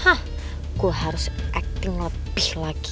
ah gue harus acting lebih lagi